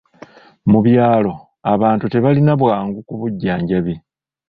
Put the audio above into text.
Mu byalo, abantu tebalina bwangu ku bujjanjabi.